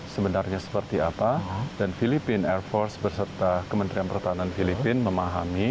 sebenarnya seperti apa dan filipina air force berserta kementerian pertahanan filipina memahami